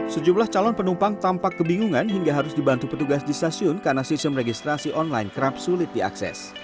sejumlah calon penumpang tampak kebingungan hingga harus dibantu petugas di stasiun karena sistem registrasi online kerap sulit diakses